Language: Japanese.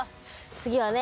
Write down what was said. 次はね